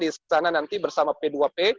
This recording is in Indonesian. di sana nanti bersama p dua p